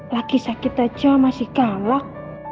laki sakit aja masih galak